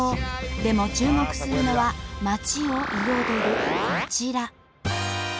でも注目するのは街を彩るこちら。